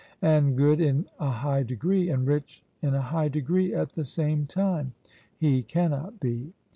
And good in a high degree, and rich in a high degree at the same time, he cannot be.